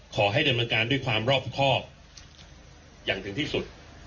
ขอให้ดำเนินการด้วยความรอบครอบอย่างถึงที่สุด